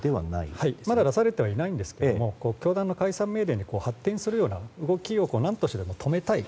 まだ出されてはいないんですが教団の解散命令に発展するような動きを何としてでも止めたい。